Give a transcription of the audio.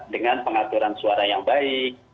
dengan pengaturan suara yang baik